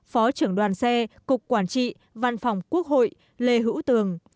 phó trưởng đoàn xe cục quản trị văn phòng quốc hội lê hữu tường